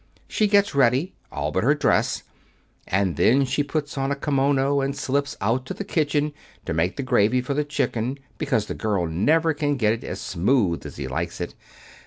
She gets ready, all but her dress, and then she puts on a kimono and slips out to the kitchen to make the gravy for the chicken because the girl never can get it as smooth as he likes it.